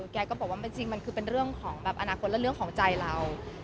แกก็บอกว่ามันจริงมันคือเป็นเรื่องของแบบอนาคตและเรื่องของใจเรา